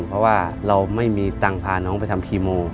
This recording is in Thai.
เพราะว่าเราไม่มีตังค์พาน้องไปทำคีโม